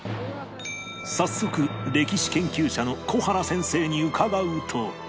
早速歴史研究者の小原先生に伺うと